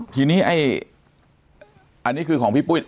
ทีนี้ไออันนี้คือของพี่ปุ๊บอีก